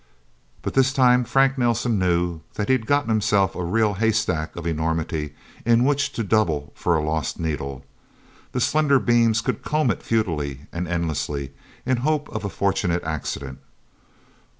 But this time Frank Nelsen knew that he'd gotten himself a real haystack of enormity in which to double for a lost needle. The slender beams could comb it futilely and endlessly, in the hope of a fortunate accident.